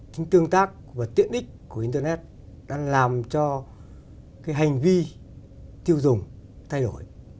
những tương tác và tiện ích của internet đã làm cho hành vi tiêu dùng thay đổi